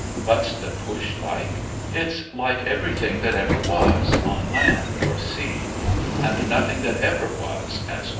What's the Push Uke ? It's like everything that ever was on land or sea, and nothmg that ever was as weU.